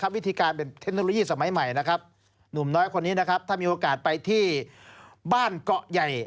วิธีการเป็นเทคโนโลยีสมัยใหม่นะครับหนุ่มน้อยคนนี้นะครับถ้ามีโอกาสไปที่บ้านเกาะใหญ่